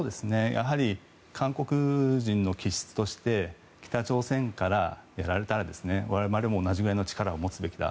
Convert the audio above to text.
韓国人の気質として北朝鮮からやられたら我々も同じぐらいの力を持つべきだ